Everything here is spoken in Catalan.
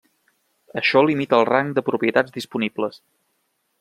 Això limita el rang de propietats disponibles.